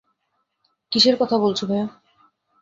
কীসের কথা বলছো, ভায়া?